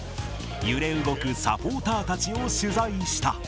揺れ動くサポーターたちを取材した。